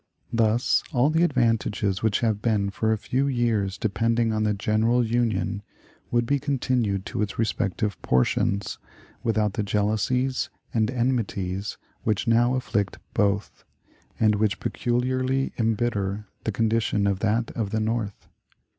Thus all the advantages which have been for a few years depending on the general Union would be continued to its respective portions, without the jealousies and enmities which now afflict both, and which peculiarly embitter the condition of that of the North.